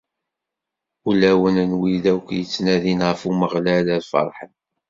Ulawen n wid akk yettnadin ɣef Umeɣlal, ad ferḥen.